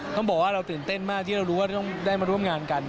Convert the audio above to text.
ต้องบอกว่าเราตื่นเต้นมากที่เรารู้ว่าต้องได้มาร่วมงานกัน